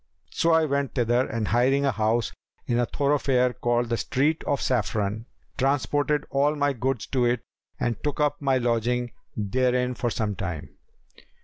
So I went thither and hiring a house in a thoroughfare called the Street of Saffron, transported all my goods to it and took up my lodging therein for some time.